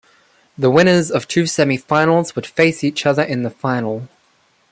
The winners of the two semi-finals would face each other in the final.